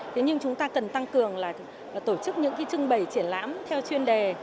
thế nhưng chúng ta cần tăng cường là tổ chức những cái trưng bày triển lãm theo chuyên đề